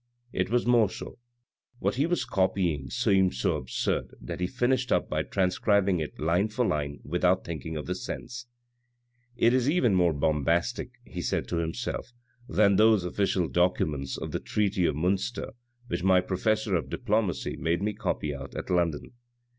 It was more so. What he was copying seemed so absurd that he finished up by transcribing it line for line without thinking of the sense. " It is even more bombastic," he said to himself, " than those official documents of the treaty of Munster which my professor of diplomacy made me copy out at London."